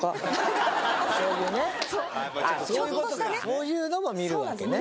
そういうのも見るわけね。